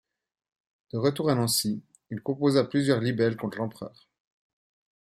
De retour à Nancy, il composa plusieurs libelles contre l'Empereur.